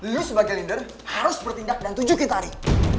liliu sebagai lender harus bertindak dan tunjukin tarik